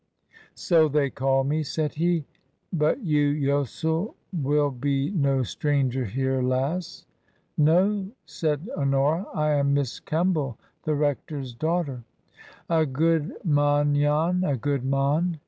" So they call me," said he ;" but you yosel will be no stranger here, lass." " No," said Honora ;" I am Miss Kemball, the rector's daughter." " A good mon yon, a good mon.